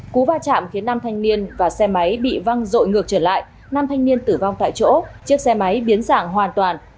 cú va chạm khiến năm thanh niên và xe máy bị văng rội ngược trở lại nam thanh niên tử vong tại chỗ chiếc xe máy biến dạng hoàn toàn